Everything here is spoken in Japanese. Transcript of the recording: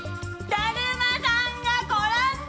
だるまさんが転んだ！